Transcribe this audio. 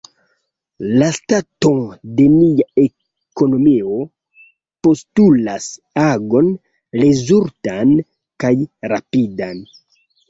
La stato de nia ekonomio postulas agon, rezolutan kaj rapidan.